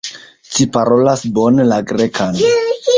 Ci parolas bone la Grekan.